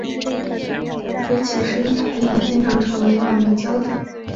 而其身材亦经常成为网民焦点。